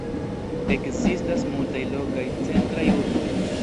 Ekzistas multaj lokaj centraj urboj.